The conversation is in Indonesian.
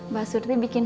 mbak surti bikin